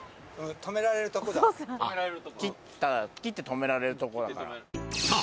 止められるとこ斬って止められるとこさあ